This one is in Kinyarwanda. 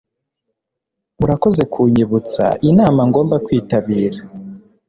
urakoze kunyibutsa inama ngomba kwitabira